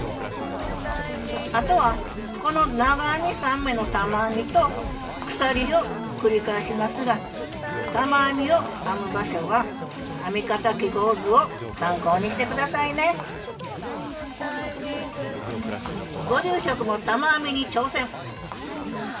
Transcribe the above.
あとはこの長編み３目の玉編みと鎖を繰り返しますが玉編みを編む場所は編み方記号図を参考にして下さいねご住職も玉編みに挑戦！